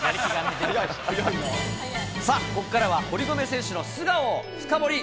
さあ、ここからは堀米選手の素顔を深掘り。